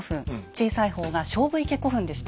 小さい方が菖蒲池古墳でした。